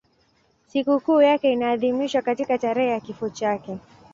Sikukuu yake inaadhimishwa katika tarehe ya kifo chake.